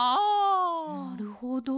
なるほど。